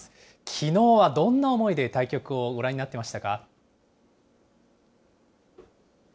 きのうはどんな思いで対局をご覧になっていましたか。